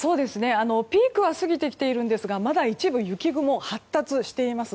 ピークは過ぎてきているんですがまだ一部雪雲が発達しています。